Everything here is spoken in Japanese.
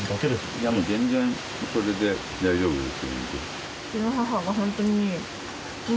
いやもう全然それで大丈夫です。